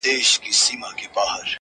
یوه ورخ توتکۍ والوته دباندي -